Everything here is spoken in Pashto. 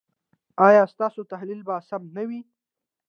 ایا ستاسو تحلیل به سم نه وي؟